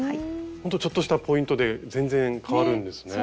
ほんとちょっとしたポイントで全然変わるんですね。ね！